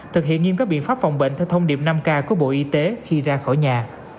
thực hiện nghiêm các biện pháp phòng bệnh theo thông điệp năm k của bộ y tế khi ra khỏi nhà